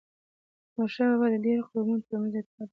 احمدشاه بابا د ډیرو قومونو ترمنځ اتحاد راووست.